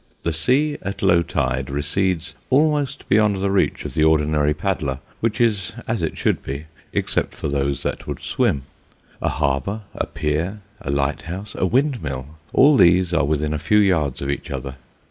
The sea at low tide recedes almost beyond the reach of the ordinary paddler, which is as it should be except for those that would swim. A harbour, a pier, a lighthouse, a windmill all these are within a few yards of each other.